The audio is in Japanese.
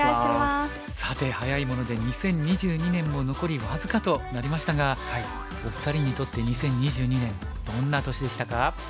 さて早いもので２０２２年も残り僅かとなりましたがお二人にとって２０２２年どんな年でしたか？